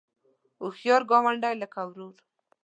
هوښیار ګاونډی لکه ورور